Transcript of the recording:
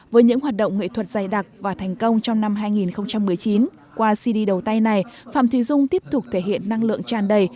với những hoạt động nghệ thuật dày đặc và thành công trong năm hai nghìn một mươi chín qua cd đầu tay này phạm thùy dung tiếp tục thể hiện năng lượng tràn đầy